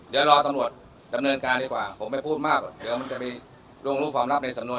เดี๋ยวรอตำรวจดำเนินการดีกว่าผมไม่พูดมากเดี๋ยวมันจะไปล่วงรู้ความลับในสำนวน